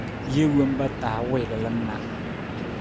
Jee wompa ta wii lalan na.